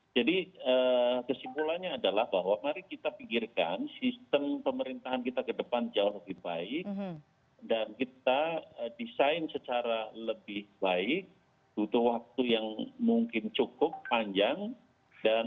jadi kesimpulannya adalah bahwa mari kita pikirkan sistem pemerintahan kita ke depan jauh lebih baik dan kita desain secara lebih baik untuk waktu yang mungkin cukup panjang dan tidak bisa dipaksakan menjelang pemilu maupun pilkada dua ribu dua puluh empat ini